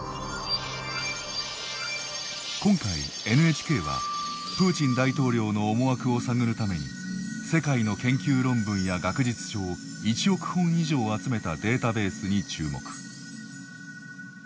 今回ＮＨＫはプーチン大統領の思惑を探るために世界の研究論文や学術書を１億本以上集めたデータベースに注目。